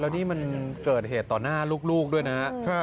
แล้วนี่มันเกิดเหตุต่อหน้าลูกด้วยนะ